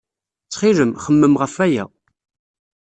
Ttxil-m, xemmem ɣef waya.